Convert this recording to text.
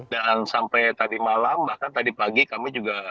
dan sampai tadi malam bahkan tadi pagi kami juga